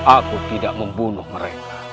aku tidak membunuh mereka